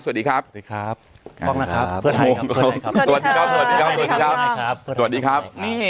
สวัสดีครับ